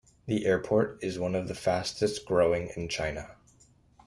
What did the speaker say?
The airport is one of the fastest growing in China.